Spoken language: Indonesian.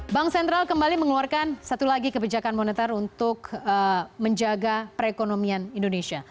bank sentral kembali mengeluarkan satu lagi kebijakan moneter untuk menjaga perekonomian indonesia